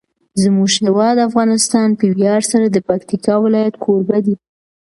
زموږ هیواد افغانستان په ویاړ سره د پکتیکا ولایت کوربه دی.